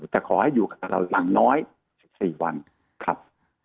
แต่ขอให้อยู่กับเราอย่างน้อย๑๔วันครับ